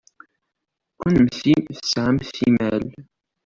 Kennemti tesɛamt imal.